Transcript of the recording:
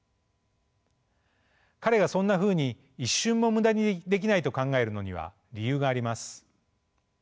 彼がそんなふうに一瞬も無駄にできないと考えるのには理由があります。